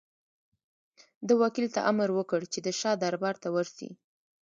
ده وکیل ته امر وکړ چې د شاه دربار ته ورسي.